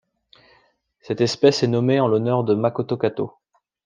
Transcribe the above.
Cette espèce est nommée en l'honneur de Makoto Kato.